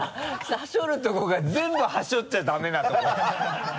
はしょるところが全部はしょっちゃダメなとこだった。